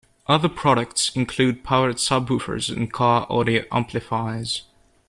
Other products include powered subwoofers and car audio amplifiers.